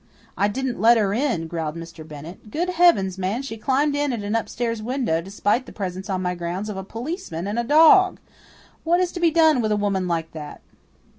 "I didn't let her in," growled Mr. Bennett. "Good heavens, man, she climbed in at an upstairs window, despite the presence on my grounds of a policeman and a dog! What is to be done with a woman like that?"